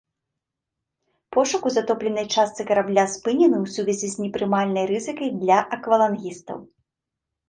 Пошук у затопленай частцы карабля спынены ў сувязі з непрымальнай рызыкай для аквалангістаў.